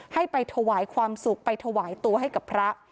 ให้ไปถวายความสุขไปถวายตัวให้กับพระ